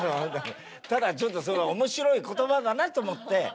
ただちょっと面白い言葉だなと思って。